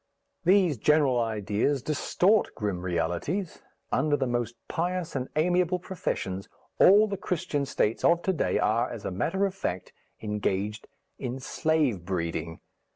These general ideas distort grim realities. Under the most pious and amiable professions, all the Christian states of to day are, as a matter of fact, engaged in slave breeding.